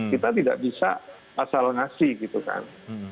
kita tidak bisa asal ngasih gitu kan